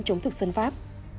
chống thực dân pháp